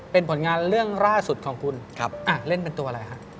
เป็นผลงานเรื่องล่าสุดของคุณครับเล่นเป็นตัวอะไรฮะ